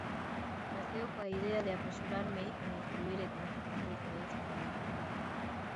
Naceu coa idea de apresurarme en escribir e transmitir todas as vivencias.